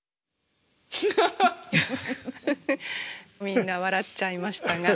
みんな笑っちゃいましたが。